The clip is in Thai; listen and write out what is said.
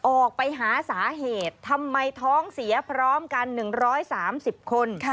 ออกไปหาสาเหตุทำไมท้องเสียพร้อมกัน๑๓๐คน